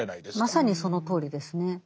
まさにそのとおりですね。